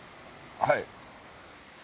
はい。